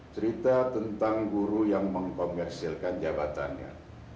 cerita tentang guru yang mengkomersilkan jabatannya